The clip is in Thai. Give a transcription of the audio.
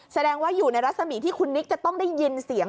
แสดงว่าอยู่ในรัศมีที่คุณนิกจะต้องได้ยินเสียง